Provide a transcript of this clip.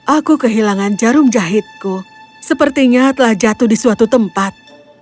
aku kehilangan jarum jahitku sepertinya telah jatuh di suatu tempat